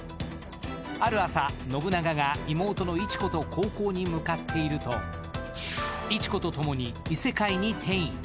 ある朝、信長が妹の市子と高校に向かっていると市子とともに異世界に転移。